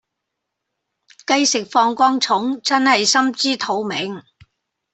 雞食放光蟲真係心知肚明